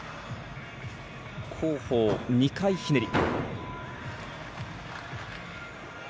後方２回ひねり。